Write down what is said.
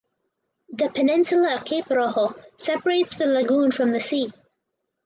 The peninsula of Cape Rojo separates the lagoon from the sea.